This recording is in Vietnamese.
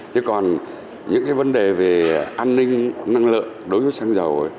thế còn những cái vấn đề về an ninh năng lượng đối với xăng dầu